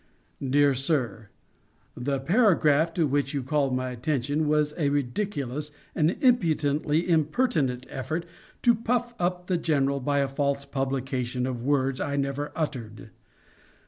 DEAR SIR: The paragraph to which you called my attention was a ridiculous and impudently impertinent effort to puff the general by a false publication of words I never uttered.